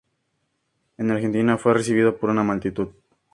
En Argentina fue recibido por una multitud.